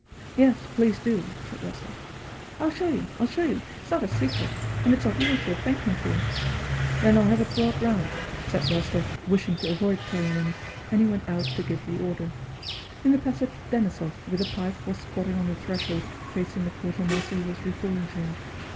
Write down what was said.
"Yes, please do," said Rostóv. "I'll show you, I'll show you! It's not a secret. And it's a horse you'll thank me for." "Then I'll have it brought round," said Rostóv wishing to avoid Telyánin, and he went out to give the order. In the passage Denísov, with a pipe, was squatting on the threshold facing the quartermaster who was reporting to him.